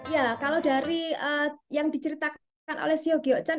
ya kalau dari yang diceritakan oleh sio giocan